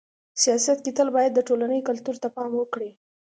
سیاست کي تل باید د ټولني کلتور ته پام وکړي.